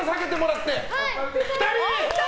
２人！